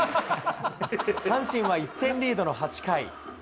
阪神は１点リードの８回。